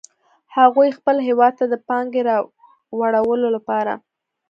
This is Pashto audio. هغوی خپل هیواد ته د پانګې راوړلو لپاره